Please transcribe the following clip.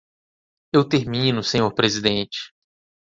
Eu termino, senhor presidente.